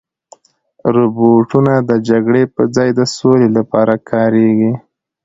روبوټونه د جګړې په ځای د سولې لپاره کارېږي.